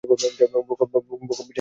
বুক অব ভিশান্তি হলে কেমন হয়?